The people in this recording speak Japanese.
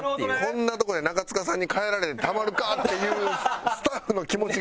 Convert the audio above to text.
こんなとこで中務さんに帰られてたまるか！っていうスタッフの気持ちが曲げたんや。